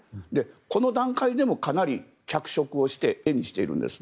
この段階でもかなり脚色をして絵にしているんです。